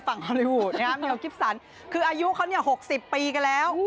ฝั่งฮอลลีวูดนะครับเมล์กิปสันคืออายุเขาเนี่ยหกสิบปีกันแล้ว